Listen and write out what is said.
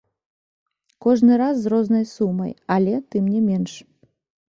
Кожны раз з рознай сумай, але, тым не менш.